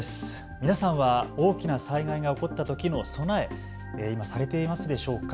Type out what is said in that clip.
皆さんは大きな災害が起こったときの備え、今、されていますでしょうか。